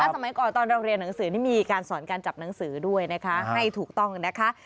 สมัยก่อนตอนเราเรียนหนังสือนี่มีการสอนการจับหนังสือด้วยนะคะให้ถูกต้องนะคะ